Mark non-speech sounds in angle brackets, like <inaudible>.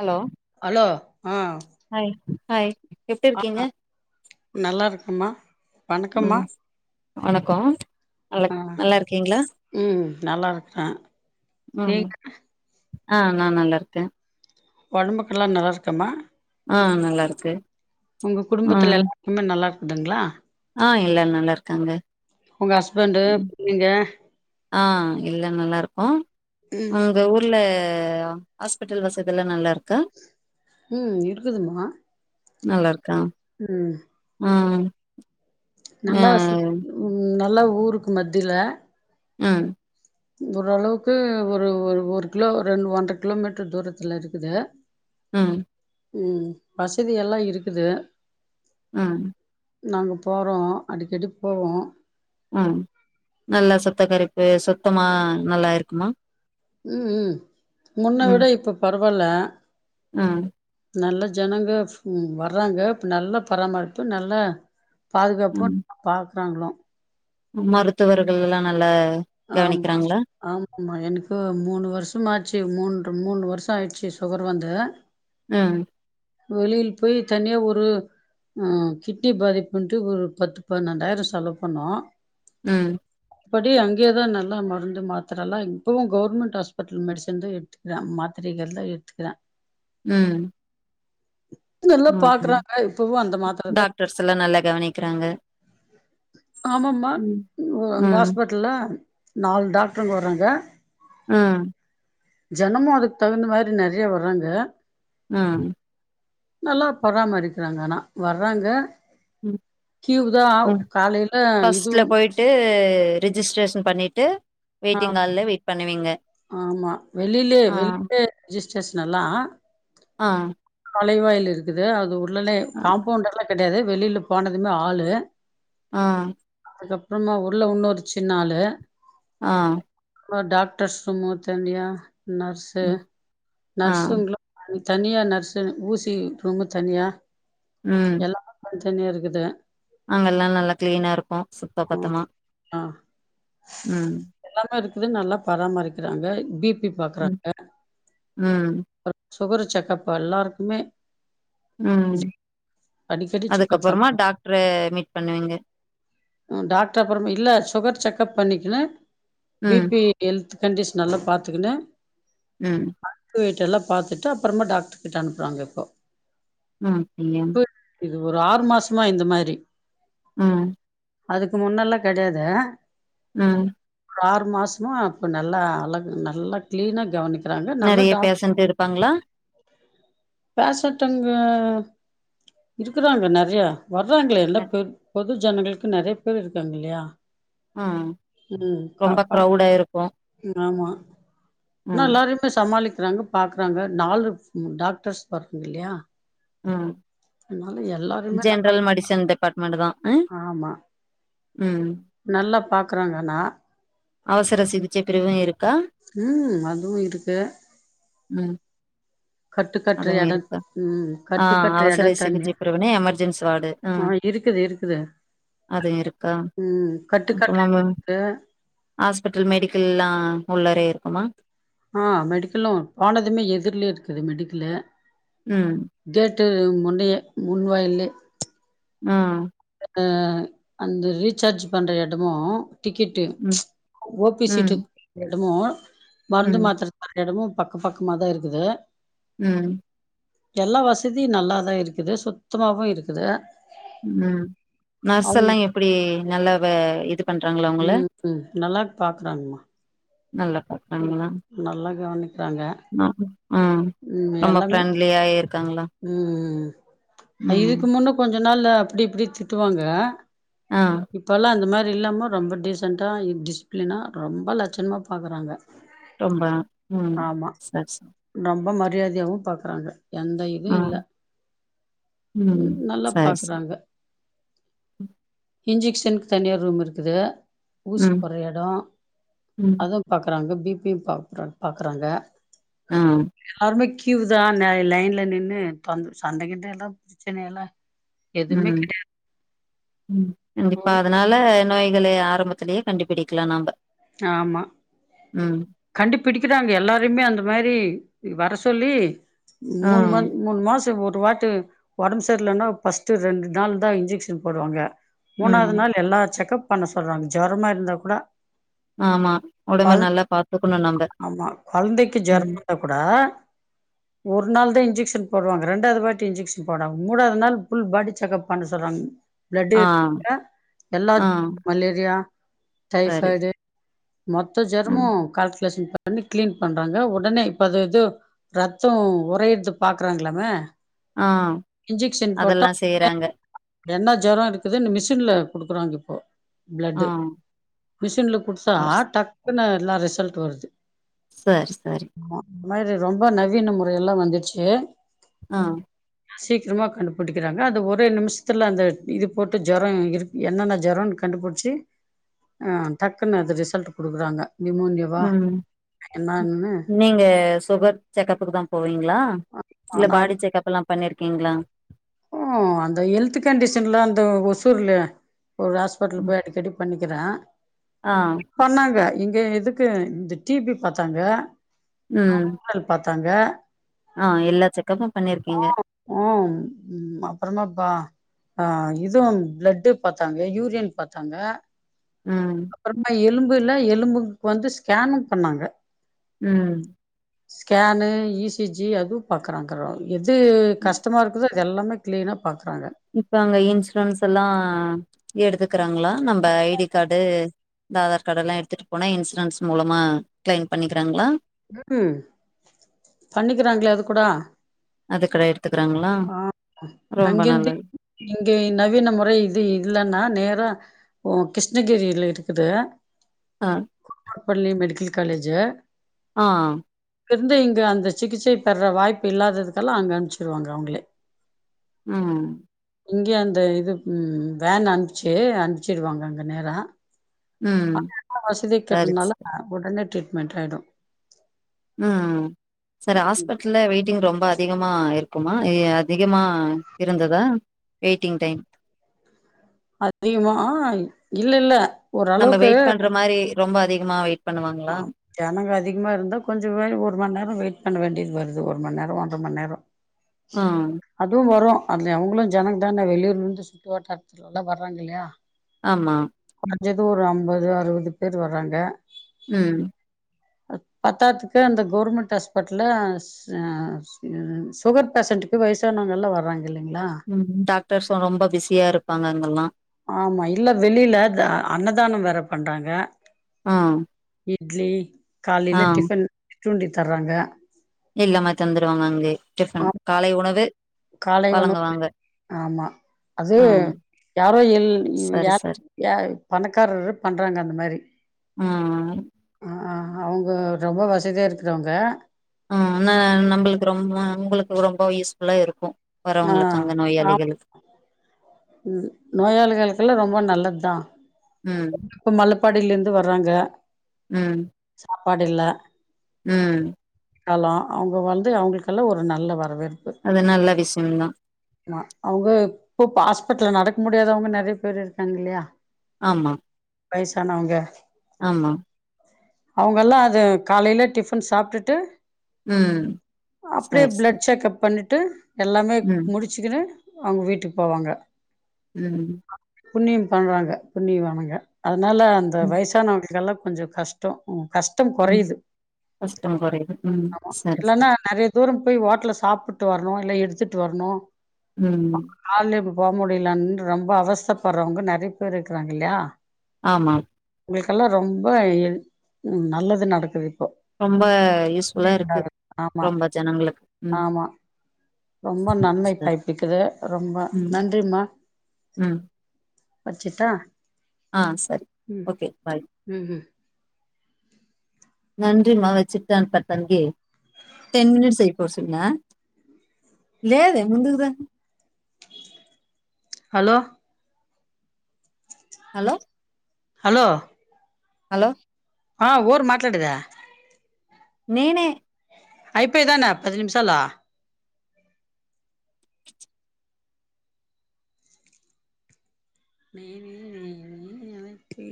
Hello hello ஆ hi hi எப்டி இருக்கீங்க நல்லா இருக்கமா வணக்கம்மா ம் வணக்கோ ஆ நல்லக் நல்லா இருக்கீங்களா ம் நல்லா இருக்கறேன் உம் ஆஹ் நான் நல்லா இருக்கே ஒடம்புக்கல்லா நல்லா இருக்காம்மா ஆஹ் நல்லாருக்கு உங்க குடும்பத்துல எல்லாருக்குமே நல்லாருக் துங்களா ஆ எல்லாரு நல்லா இருக்காங்க உங்க ஹஸ்பண்டு நீங்க ஆஹ் எல்லா நல்லாருக்கோ உங்க ஊர்ல ல ஹாஸ்பிட்டல் வசதில்லா நல்லாரு உம் இருக்குதுமா நல்லாருக்கா உம் ஆஹ் நல்லா சு உம் நல்லா ஊருக்கு மத்தில ஹம் ஓரளவுக்கு ஒரு ஒரு ஒரு கிலோ ரெண்டு ஒன்றரை கிலோ மீட்டர் தூரத்தல இருக்குது உம் உம் வசதி எல்லா இருக்குது ஆஹ் நாங்க போறோம் அடிக்கடி போவோம் ஆம் நல்லா சுத்தக்கார து சுத்தமா நல்லா இருக்குமா உம் உம் முன்ன விட இப்ப பர வால்ல ஆஹ் நல்ல ஜனங்க உம் வர்றாங்க நல்ல பராமரிப்பு நல்ல பாதுகாப்பு பா வறாங்களோ மருத்துவர்கள்ளா நல்ல ஆமா ஆமாமா எனக்கு மூணு வருஷம் ஆச்சு மூன்று மூணு வருஷோ ஆயிர்ச்சு சுகர் வந்து ம் வெளில போய் தனியா ஒரு ஆஹ் கிட்னி பாதிப்புன்ட்டு ஒரு பத்து பன்னெண்டாயிரோ செலவு பண்ணோ உம் அப்படி அங்கயேதா நல்லா மருந்து மாத்திரல்லா இப்பவு கவுர்மெண்ட் ஹாஸ்பெட்டல் மெடிசன்தா எடுத்துக்கற மாத்திரைகள் எல்லா எடுத்துக்கற உம் நல்லா பாக்குறாங்க இப்பவு அந்த மாத்திரதா க்கிறாங்க ஆமாமா அங்க ம் ஹாஸ்பிட்டல்ல நாலு டாக்டருங்க வர்றாங்க ஆஹ் ஜனமு அதுக்கு தகுந்த மாரி நெறயா வர்ராங்க ஆஹ் நல்லா பராமரிக்கிறாங்க ஆனா வர்றாங்க ம் கீவுதா ம் காலைல ஃபர்ஸ்ட்ல இதுவும் போயிட்டு ரிஜிஸ்ட்ரேஷன் பண்ணிட்டு வெயிட்டிங் ஆமா ஹால்ல வெயிட் பண்ணுவீங்க ஆமா வெளிலே ஆ வெளிலே ரிஜிஸ் ட்ரேஷனல்லா ஆஹ் மலைவாயில் இருக்குது அது ஒ உடனே அ. காம்பவுண்ட்டெல்லா கெடையாது வெளில போனதுமே ஆளு ஆஹ் அதுக்கப்றமா உள்ள இன்னொரு சின்ன ஆளு ஆஹ் அப்புரோ டாக்டர்ஸ் ரூமு‌ தனியா நர்ஸு ம் ஆ நர்ஸுங்ளு த்தனியா நர்ஸ் தனி ஊசி ரூமு தனியா ம் எல்லா <inaudible> தனியா இருக்குது அங்கெல்லா நல்லா கிளீனா இருக்கு சுத்த ம் பத்தமா உம் நல்லா இருக்குது நல்லா பராமரிக்கிறாங்க பி எப்டி பாக்கறாங்க உம் சுகர் செக்கப் எல்லாருக்குமே உம் அடிக்கடி செக்ப் பண்ணாங்க மீட் பண்ணுவீங்க உ டாக்டர் அப்புற இல்ல சுகர் செக் செக்ப் பண்ணிக்குனு ம் பிபி ஹெல்த் கண்டிஷன்ல பாத்துக்குன்னு உம் எல்லா பாத்துட்டு அப்புறமா டாக்டர் கிட்ட அனுப்புறாங்க இப்போ உம் <unintelligible> இப்ப இது ஒரு ஆறு மாசமா இந்த மாரி உம் அதுக்கு முன்னெல்லா கெடயாது உம் ஆறு மாசமா இப்ப நல்லா அழகு நல்லா கிளீனா கவனிக்க நெறையா பேஷன்ட் இருப்பாங்களா பேஷன்ட்ங்க இருக்குறாங்க நெறயா வர்றாங்களே எல்லா அ. பெரு பெது ஜனங்களுக்கு நெறைய பேர் இருக்காங்க இல்லயா உம் ரொம்ப கிரவுடா இருக்கு என்னா ம் எல்லாரையுமே சமாளிக்க இருக்கறாங்க பாக்குறாங்க நாலு டாக்டர்ஸ் வர்றங்க இல்லியா ம் நல்லா ஜென்ரல் பாப்பாங்க மெடிசன் டிபார்ட்மெண்ட் தா ஆமா உம் நல்லா பாக்குறாங்கண்ணா அவசர சிகிச்சை பிரிவு இருக்கா உம் அதுவு இருக்கு உம் கட்டு கட்டுற அதுங்க எடோ இருக்கா ம் கட்டு ஆஹ் கட்டுற எடோ அவசர தண்ணி சிகிச்சை பிரிவுனா எமெர்ஜென்சி வார்டு ஆ ஆஹ் இருக்குது இருக்குது அது இருக்கா ம் கட்டு இப்போ கட்டுற நாம எடம் இருக்கு ஹாஸ்பிட்டல் மெடிக்கல்லல்லா உள்ளரே இருக்கு ஆமா ஆஹ் மெடிக்கல்லு போனதுமே எதிர்லயே இருக்குது மெடிக்கல்லு உம் வீட்டுக்கு முன்னேயே முன்வாயில்லயே ம்ம்ம் அந்த ரீசார்ஜ் பண்ற இடமும் டிக்கெட்டு ம் ஓபி ம் சீட்டு இடமும் மருந்து ம் மாத்திர சரியாயிடுமோ பக்கம் பக்கமாதான் இருக்குது உம் எல்லா வசதியும் நல்லாதான் இருக்குது சுத்தமாவும் இருக்குது ம் நர்ஸ் எல்லாம் எப்படி நல்லவே இது பண்றாங்களா உங்கள உம் உம் நல்லா பாக்குறாங்கம்மா நல்லா பாக்குறாங்க நல்லா கவனிக்கிறாங்க உம் ரொம்ப ஃப்ரெண்ட்லியா இருக்கு உம் ம் இதுக்கு முன்ன கொஞ்சம் கொஞ்ச நாள் அப்படி இப்படி திட்டுவாங்க ஆ இப்ப எல்லாம் அந்த மாதிரி அது இல்லாமரொம்ப அப்படி அப்படி இல்லாமல் ரொம்ப டீசன்ட்டா டிசிப்ளினா ரொம்ப லட்சணமா பாக்குறாங்க ரொம்ப ம் ஆமா சரி சரி ரொம்ப மாறி மரியாதையாவும் பாக்குறாங்க எந்த இதுவும் ம் இல்லே ம். நல்லா சரி, சரி. பாக்குறாங்க இன்ஜெக்ஷனுக்கு தனியா ரூம் இருக்குது ஊசி ம், போடுற இடம் ம், அதுவும் பாக்குறாங்க பிபி பாக்குறாங் பார்க்கறாங்க ஆ, யாருமே கியூ தான் லைன்லே நின்னு சண்டைகிண்டை எல்லாம் இருந்த பிரச்சனை இல்லே உம் கண்டிப்பா ம் அதனால என்ன நோய்களை ஆரம்பத்திலயே கண்டுபிடிக்கலாம் நாம்ப ஆமா உம் கண்டுபிடிக்கிறாங்க எல்லாரையுமே அந்த மாதிரி வர சொல்லி ஆ, மூணு மந்த் மூணு மாசம் பொறுத் ஒருவாட்டி ஒடம்பு சரியலன்னா ஃபர்ஸ்ட் ரெண்டு நாள் தா இன்ஜெக்ஷன் போடுவாங்க ம். மூணாவது நாள் எல்லா செக்கப் பண்ண சொல்றாங்க ஜோரமா இருந்தா கூட ஆமா உடம்ப கொழ நல்லா பாத் ஆமா கெழந்திக்கு ஜோரோ வந்தா கூட ஒரு ஒரு நாள் தா இன்ஜெக்கிஷன் போவாங்க ரெண்டாவது வாட்டி இன்ஜெக்கிஷன் போடுராங்க மூணாவது நாள் புல் பாடி செக் அப் பண்ண சொல்றாங்க பிளேட் ஆ, எடுத்துகுட்ட எல்லா ஆ. மலேரியா சரி. டைபாய்டு மொத்த ஜோரோம்மு ம். பண்ணி கிளீன் பண்றாங்க ஒடனே இப்ப அது இது ரத்தம் உரையிடுது பாக்குறாங்களாமே ஆஹ் இன்ஜெக்ஷன் போட்டா அதெல்லா செய்யறாங்க என்ன ஜோரோ இருக்குதுன்னு மிஷின்ல குடுக்குறாங்க இப்போ ஆ. பிளட்டு மிஷின்ல குடுத்தா சரி, டக்குனு எல்லா ரிசல்ட் வருது சரி சரி அந்த மாரி ரொம்ப நவீன முறைல்லா வந்திருச்சு ஆஹ் சீக்கிரமா கண்டுபிடிக்கிறாங்க அது ஒரே நிமிஷத்துல அந்த இது போட்டு ஜோரோ இரு என்னென்ன ஜோரோம்னு கண்டுபிடிச்சு ஆஹ டக்குன்னு அது ரிசல்ட் குடுக்குறாங்க நிமோனியாவா ம் என்னன்னு நீங்க சுகர் செக்கப்புக்கு தா போவீங்களா இல்ல பாடி செக்கப் எல்லா பண்ணிருக்கீங்களா ஓ அந்த ஹெல்த் கண்டிஷன்லா அந்த ஒசூர்ல ஒரு ஹாஸ்பல்ல ம். போய் அடிகடி பண்ணிகு கிற ஆ, சொன்னாங்க எதுக்கு டிபி பாத்தாங்க உம் தாங்க ஆஹ் எல்லா செக்கப்பு பண்ணிருக்கீங்க ம் அப்புறமா பா ஆஹ் இதுவு பிளட்டு பாத்தாங்க யூரின் பாத்தாங்க ம், அப்புறமா எலும்பு எலும்புல எலும்புக்கு வந்து ஸ்கேன்னு பண்ணாங்க உம் ஸ்கேனு இசிஜி அதுவு பாக்குறாங்கிறோ எது கஷ்டமா இருக்குதோ எல்லாமே கிளீனா பாக்குறாங்க இப்ப அங்க இன்சூரன்ஸ் எல்லா எடுத்துக்கிறாங்களா நம்ம ஐடி கார்டு இந்த ஆதார் கார்டு எல்லா எடுத்துகிட்டு போனா இன்சூரன்ஸ் மூலமா கிளைம் பண்ணிக்கிறாங்களா ம் பண்ணிக்கிறாங்களே அது கூட அதுக்கட எடுத்துக்கிறாங்களா ஆ ரொம்ப அங்கேந்து நல்லது இங்கே நவீன முறை இது இல்லன்னா நேரா ஓ கிருஷ்ணகிரில இருக்குது ஆ <unintelligible> மெடிக்கல் காலேஜா ஆ இருந்து இங்க அந்த சிகிச்சை பெற வாய்ப்பு இல்லாததுக்கெல்லா அங்க அனுப்பிச்சிருவாங்க அவுங்களே ம் இங்கயே அந்த இது வேன் அனுப்பிச்சு அனுப்பிச்சிடுவாங்க அங்க நேரா ம் ஆனாலு சரி வசதிக்கிறதுனால சரி உடனே ட்ரீட் மென்டலாயிடு ம் செரி ஹாஸ்பிட்டல்ல வெயிட் ரொம்ப அதிகமா இருக்குமா அதிகமா இருந்ததா வெயிட்டிங் டைம் அதிகமா அ இல்ல இல்ல நம்ம ஓரளவுக்கு வெயிட் பண்ற மாரி ரொம்ப அதிகமா வெயிட் ஆ பண்ணுவாங்களா ஜனங்க அதிகமா இருந்தா கொஞ்ச மாரி ஒரு மண் நேரோ வெயிட் பண்ண வேண்டியது வருத் அது ஒரு மண் நேரோ ஒன்ற மண் நேரோ ம் அது வரு அதுல அவங்களு ஜனங்க தான வெளியூர்ல இருந்து சுட்டு வாட்டாரத்துல எல்லா வர்றாங்க இல்லையா ஆமா எதோ ஒரு அம்பது அறுவது பேர் வர்றாங்க ம் பத்தாதுக்கு அந்த கவுர்மெண்ட் ஹாஸ்பிட்டல ஆ ஆசுகர் பேசண்டுக்கு வயசானவங்க எல்லாம் வர்றாங்க இல்லைங்களா ம் டாக்டர்ஸு ரொம்ப பிஸியா இருப்பாங்க ங்கல்லா ஆமா இல்ல வெளியில அண்ணதானம் வேற பண்றாங்க ஆ இட்லி காலில டிஃபன் சுண்டி தர்றாங்க எல்லாம தந்துருவாங்க அங்கே ஆ டிபன் காலை உணவு காலை வண வழங்குவாங்க ஆமா அது ம் யாரோ எல் சரி யாரொ சரி யா பணக்காரர் ஒருவர் பண்றாங்க அந்த மாரி ஆஹ் ஆ அவுங்க ரொம்ப வசதியாக இருக்குறவங்க ம் ந நம்பளுக்கு ரொம்ப உங்களுக்கு ரொம்ப யூஸ்ஃபுல்லா இருக்கு ஆ வரவங்களுக்கு அங்க நோயாளிகளுக்கு உம் நோயாளிகளுக்கெல்லாம் ரொம்ப நல்லது தான் ம் ப்ப மலுப் படில இருந்து வர்றாங்க உம் பாடில உம் காலோ அவுங்க வந்து அவுங்களுக்கல்லா ஒரு நல்ல வரவேற் அது நல்ல விஷியந்தா போ பாஸ் பிட்ல நடக்க முடியாதவங்க நறைய பேரு இருக்காங்க இல்லையா ஆமா வைசானவங்க ஆமா அவுங்கல்லா அது காலைலே டிஃபன் சாப்டுட்டு ம் அப்டியே சரி ப்ளட் சரி செக்கப் பண்ணிட் ட்டு எல்லாமே ம் முடிச்சிக்கிணு அவுங்க வீட்டுக் போவாங்க உம் புண்ணியம் பண்றாங்க புண்ணியோ அவுங்க அத் னால அந்த ம் வயசானவங்களுக்கெல்லா கொஞ்சொ கஷ்டோ உ கஷ்டம் ம் கொறையுது கஷ்டம் கொறையுது ம் ஆமா சரி இல்லன்னா சரி நறைய தூரம் போய் ஓட்ல சாப்புட் ட்டு வரணு இல்ல எடுத்துட்டு வரணு உம் அவங்க கால்லே இப்ப போ முடிலன் ரொம்ப அவஸ்த்தப்படுறவங்க நறைய பேர் ருக்குறாங்கில்யா ஆமா உங்களுக்கெல்லா ரொம்ப எ நல்லது நடக்குது இப்போ ரொம்ப யூஸ்ஃபுல்லா இருக்கு ஆமா ரொம்ப ஜனங்களுக்கு உம் ஆமா ரொம்ப நன்மை பய்பிக்குது ரொம்ப ம் நன்றிம்மா வச்சிட்டா ஆஹ் சரி ஓகே பாய் ம் ம் நன்றிமா வச்சுட்டான் <unintelligible> டென் மினிட்ஸ் ஆய்ப்போச்சுங்க லேது முந்துக்குதா ஹலோ ஹலோ ஹலோ ஹலோ ஆஹ் ஊர் மாத்தலடதா நேனே ஐப்பதானே பத்து நிமிஷம்லா நெ நே நே நே நீ யாக்கு